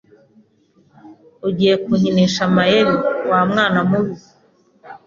Ugiye kunkinisha amayeri, wa mwana mubi?